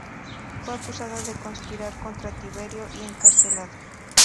Fue acusado de conspirar contra Tiberio y encarcelado.